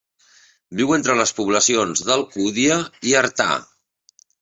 Viu entre les poblacions d'Alcúdia i Artà.